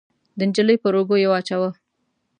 د نجلۍ پر اوږو يې واچاوه.